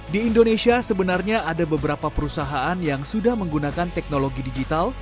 di indonesia sebenarnya ada beberapa perusahaan yang sudah menggunakan teknologi digital